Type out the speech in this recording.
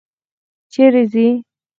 چیري ځې؟